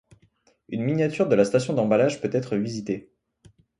Une miniature de la station d'emballage peut être visitée.